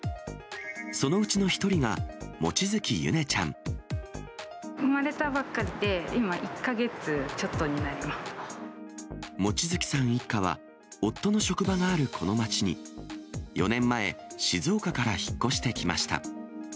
そのうちの１人が、生まれたばっかりで、今、望月さん一家は、夫の職場があるこの町に、４年前、静岡から引っ越してきました。